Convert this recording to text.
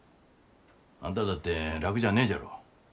あんただって楽じゃねえじゃろう。